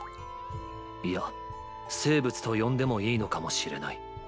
いや「生物」と呼んでもいいのかもしれない。